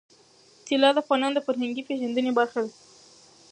طلا د افغانانو د فرهنګي پیژندنې برخه ده.